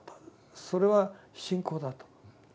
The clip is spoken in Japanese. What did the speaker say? それは信仰だと。